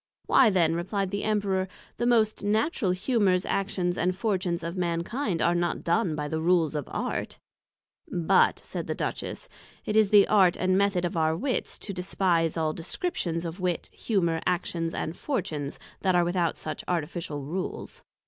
Why then, replied the Emperor, the natural Humours, Actions and Fortunes of Mankind, are not done by the Rules of Art: But, said the Duchess, it is the Art and Method of our Wits to despise all Descriptions of Wit, Humour, Actions and Fortunes that are without such Artificial Rules.